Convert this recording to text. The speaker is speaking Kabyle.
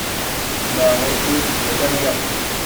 Maɣef ur tgid aya?